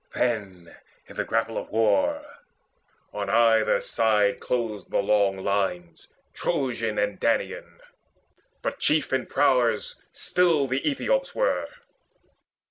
Then in the grapple of war on either side Closed the long lines, Trojan and Danaan; But chief in prowess still the Aethiops were.